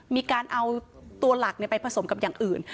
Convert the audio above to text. มีการเอาตัวหลักไปผสมกับอย่างอื่น